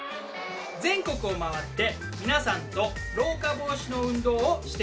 全国を回って皆さんと老化防止の運動をしています。